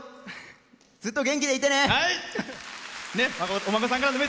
ずっと元気でいてね！